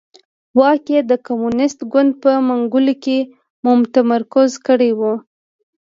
واک یې د کمونېست ګوند په منګولو کې متمرکز کړی و.